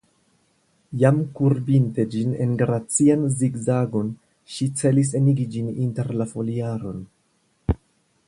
Jam kurbinte ĝin en gracian zigzagon ŝi celis enigi ĝin inter la foliaron.